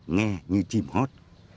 nghe như chim hót